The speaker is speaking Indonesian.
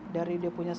dari dia punya sikap